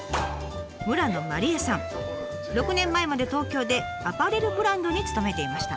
６年前まで東京でアパレルブランドに勤めていました。